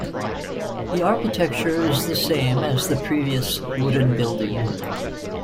The architecture is the same as the previous wooden building.